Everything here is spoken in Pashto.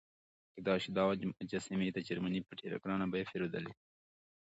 کېدای شي دا مجسمې دې جرمني په ډېره ګرانه بیه پیرودلې وي.